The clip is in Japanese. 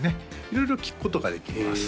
色々聴くことができます